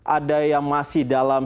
ada yang masih dalam